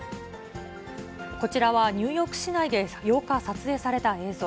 こちらはニューヨーク市内で８日、撮影された映像。